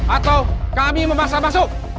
atau kami memaksa masuk